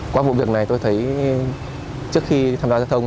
qua vụ việc này tôi thấy trước khi tham gia giao thông